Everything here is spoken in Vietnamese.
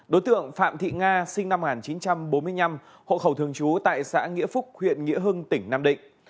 đối tượng phạm thị nga sinh năm một nghìn chín trăm bốn mươi năm hộ khẩu thường trú tại xã nghĩa phúc huyện nghĩa hưng tỉnh nam định